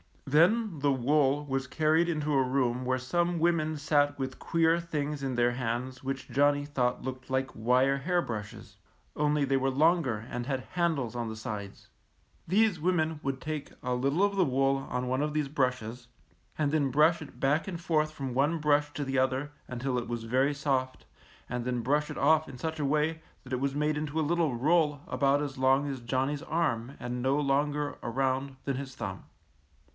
Then the wool was carried into a room where some women sat with queer things in their hands which Johnny thought looked like wire hair brushes, only they were longer and had handles on the sides. These women NANNIE'S COAT. 153 would take a little of the wool on one of these brushes and then brush it back and forth from one brush to the other until it was very soft and then brush it off in such a way that it was made into a little roll about as long as Johnny's arm and no larger around than his thumb.